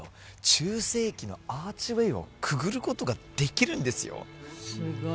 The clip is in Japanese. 中世期のアーチウェイをくぐることができるんですよ